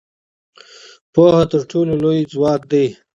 پوهه تر ټولو لوی ځواک دی.